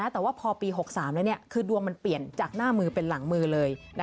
แต่ว่าพอปี๖๓แล้วคือดวงมันเปลี่ยนจากหน้ามือเป็นหลังมือเลย